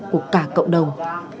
của cả cộng đồng